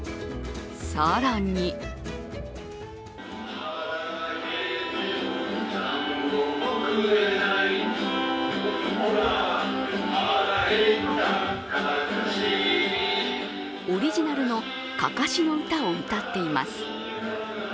更にオリジナルのかかしの歌を歌っています。